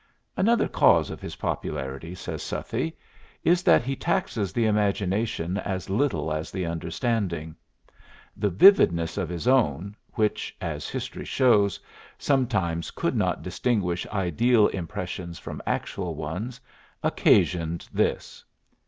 Another cause of his popularity, says Southey, is that he taxes the imagination as little as the understanding. "The vividness of his own, which, as history shows, sometimes could not distinguish ideal impressions from actual ones, occasioned this.